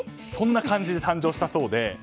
そんな感じで誕生したそうで。